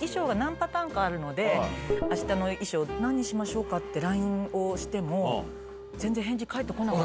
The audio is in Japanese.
衣装が何パターンかあるので、あしたの衣装、何にしましょうか？ってＬＩＮＥをしても、全然、返事返ってこないんで。